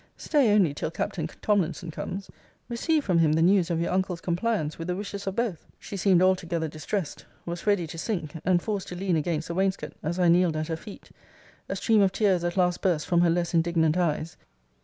Stay only till Captain Tomlinson comes. Receive from him the news of your uncle's compliance with the wishes of both. She seemed altogether distressed; was ready to sink; and forced to lean against the wainscot, as I kneeled at her feet. A stream of tears at last burst from her less indignant eyes.